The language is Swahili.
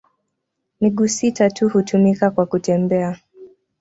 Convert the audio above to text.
Miguu sita tu hutumika kwa kutembea.